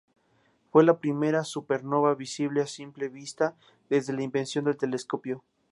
Fue la primera supernova visible a simple vista desde la invención del telescopio.